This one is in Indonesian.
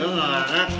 ini enggak enak